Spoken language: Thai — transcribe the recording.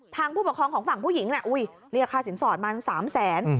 ทางผู้ประคองของฝั่งผู้หญิงเนี่ยอุ๊ยราคาสินสอดมา๓แสน